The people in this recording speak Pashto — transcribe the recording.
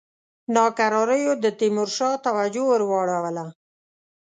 ناکراریو د تیمورشاه توجه ور واړوله.